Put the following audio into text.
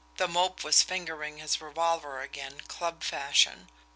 The Mope was fingering his revolver again club fashion.